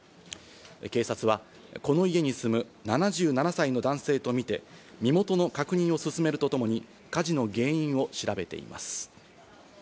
警察はこの家に住む７７歳の男性とみて身元の確認を進めるとともに火事の原因を調べています。